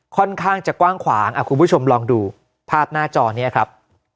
ค่อนข้างจะกว้างขวางคุณผู้ชมลองดูภาพหน้าจอนี้ครับ